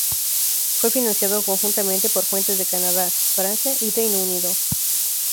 Fue financiado conjuntamente por fuentes de Canadá, Francia y Reino Unido.